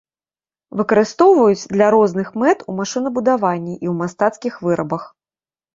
Выкарыстоўваюць для розных мэт у машынабудаванні і ў мастацкіх вырабах.